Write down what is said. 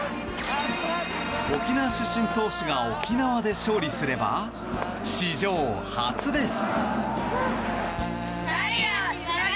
沖縄出身投手が沖縄で勝利すれば史上初です。